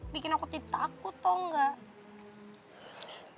bikin aku tipe takut tau gak